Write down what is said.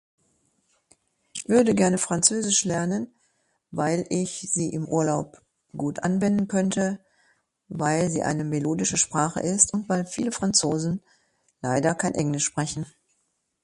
Ich würde gerne französisch lernen weil ich Sie im Urlaub gut anwenden könnte, weil Sie eine melodische Sprache ist und weil viele Franzosen leider kein Englisch sprechen.